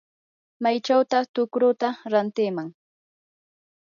¿maychawtaq tukruta rantiman?